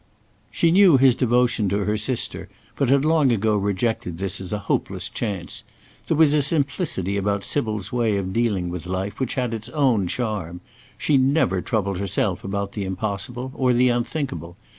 She knew his devotion to her sister, but had long ago rejected this as a hopeless chance. There was a simplicity about Sybil's way of dealing with life, which had its own charm. She never troubled herself about the impossible or the unthinkable.